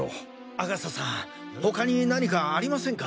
阿笠さん他に何かありませんか？